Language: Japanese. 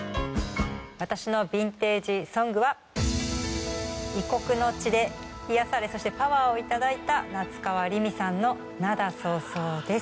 私のヴィンテージ・ソングは異国の地で癒やされそしてパワーを頂いた夏川りみさんの『涙そうそう』です。